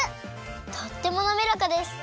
とってもなめらかです！